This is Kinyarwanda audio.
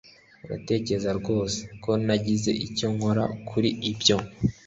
uratekereza rwose ko nagize icyo nkora kuri ibyo